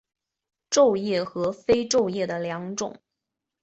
皱叶和非皱叶的两种。